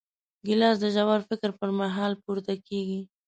ګیلاس د ژور فکر پر مهال پورته کېږي.